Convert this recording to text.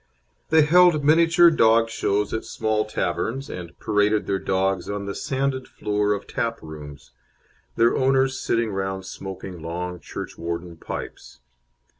They held miniature dog shows at small taverns, and paraded their dogs on the sanded floor of tap rooms, their owners sitting around smoking long church warden pipes.